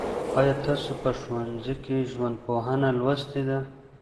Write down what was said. آیا تاسو په ښوونځي کي ژوندپوهنه لوستې ده؟